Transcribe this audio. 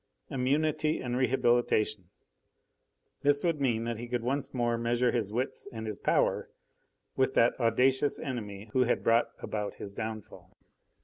Immunity and rehabilitation! This would mean that he could once more measure his wits and his power with that audacious enemy who had brought about his downfall.